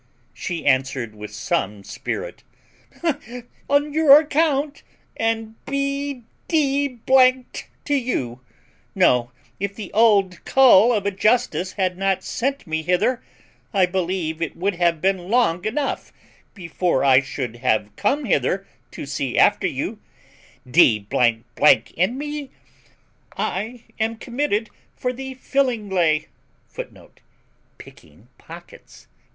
She answered with some spirit, "On your account, and be d d to you! No, if the old cull of a justice had not sent me hither, I believe it would have been long enough before I should have come hither to see after you; d n me, I am committed for the FILINGLAY, [Footnote: Picking pockets.